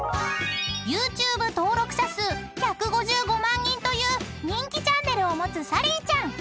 ［ＹｏｕＴｕｂｅ登録者数１５５万人という人気チャンネルを持つサリーちゃん］